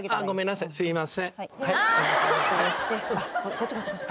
こっちこっちこっち。